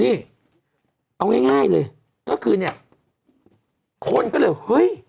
นี่เอาง่ายง่ายเลยก็คือเนี่ยคนก็เลยเฮ้ย